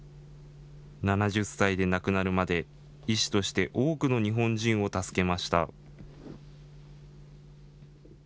７０歳で亡くなるまで医師として多くの日本人を助けました。